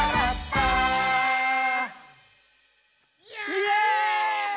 イエーイ！